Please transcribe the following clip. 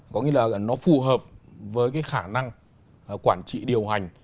có nghĩa là nó phù hợp với cái khả năng quản trị điều hành